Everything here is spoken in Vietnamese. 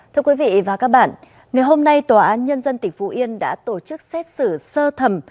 thưa quý vị và các bạn ngày hôm nay tòa án nhân dân tỉnh phú yên đã tổ chức xét xử sơ thẩm